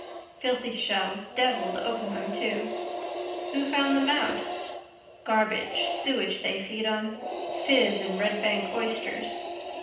Filthy shells. Devil to open them too. Who found them out? Garbage, sewage they feed on. Fizz and Red bank oysters.